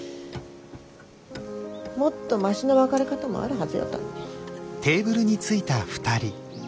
もっとマシな別れ方もあるはずやったのに。